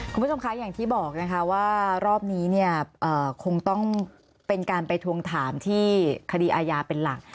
คุณผู้ชมคะอย่างที่บอกนะคะว่ารอบนี้เนี่ยคงต้องเป็นการไปทวงถามที่คดีอาญาเป็นหลัก